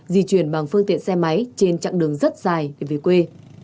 di chuyển bằng phương tiện xe máy trên chặng đường rất dài để về quê